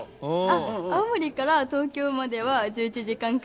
あっ青森から東京までは１１時間くらいで。